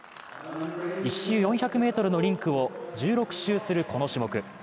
１周４００ｍのリンクを１６周するこの種目。